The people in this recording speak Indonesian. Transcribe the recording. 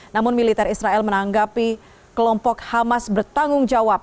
namun militer israel menanggapi kelompok hamas bertanggung jawab